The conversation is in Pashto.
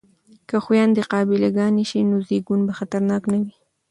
که خویندې قابله ګانې شي نو زیږون به خطرناک نه وي.